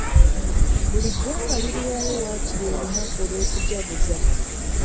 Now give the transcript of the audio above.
Buli ggwanga lirinayo wakiri olunaku olw'okujjaguza.